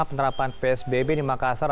penerapan psbb di makassar